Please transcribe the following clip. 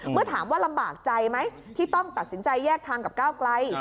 เมื่อถามว่าลำบากใจไหมที่ต้องตัดสินใจแยกทางกับก้าวไกล